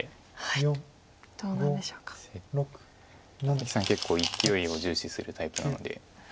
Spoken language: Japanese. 関さん結構いきおいを重視するタイプなので。